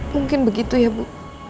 mungkin begitu ya bu